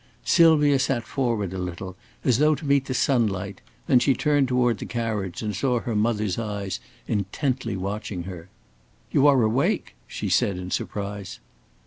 Sylvia sat forward a little, as though to meet the sunlight, then she turned toward the carriage and saw her mother's eyes intently watching her. "You are awake?" she said in surprise.